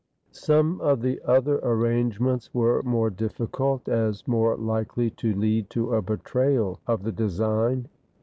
Some of the other arrangements were more difficult, as more likely to lead to a betrayal of the design.